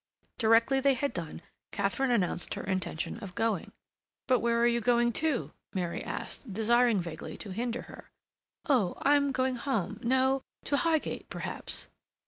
Directly they had done, Katharine announced her intention of going. "But where are you going to?" Mary asked, desiring vaguely to hinder her. "Oh, I'm going home—no, to Highgate perhaps."